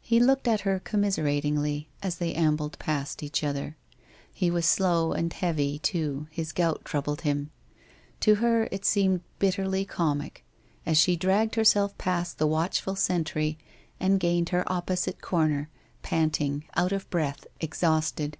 He looked at her commiseratingly as they ambled past each other. He was slow and heavy, too, his gout troubled him. To her it seemed bitterly comie, as she dragged herself past the watchful sentry and gained her opposite corner, panting, out of breath, exhausted.